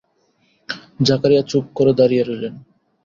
জাকারিয়া চুপ করে দাঁড়িয়ে রইলেন।